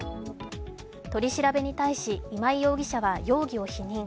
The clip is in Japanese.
取り調べに対し、今井容疑者は容疑を否認。